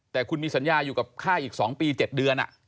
แต่คุณมีสัญญาอยู่กับค่ายอีก๒ปี๗เดือน